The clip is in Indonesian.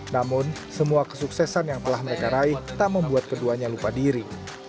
namun semua kesuksesan yang telah mereka raih tak membuat keduanya lupa diri